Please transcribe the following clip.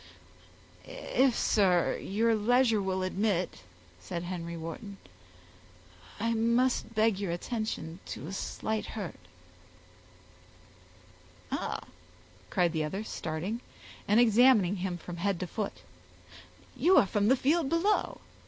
"If, sir, your leisure will admit," said Henry Wharton, "I must beg your attention to a slight hurt." "Ah!" cried the other, starting, and examining him from head to foot, "you are from the field below.